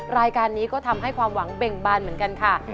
รายการนี้ก็ทำให้ความหวังเบ่งบานเหมือนกันค่ะ